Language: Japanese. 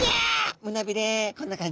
胸びれこんな感じ。